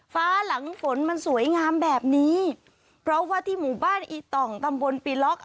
หลังฝนมันสวยงามแบบนี้เพราะว่าที่หมู่บ้านอีต่องตำบลปีล็อก